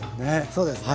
そうですね